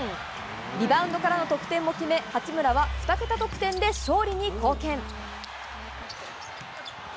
リバウンドからの得点も決め、八村は２桁得点で勝利に貢献。